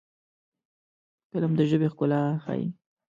فلم د ژبې ښکلا ښيي